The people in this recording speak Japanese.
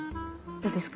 どうですか？